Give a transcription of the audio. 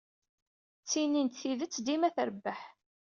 Ttinin-d tidet dima trebbeḥ.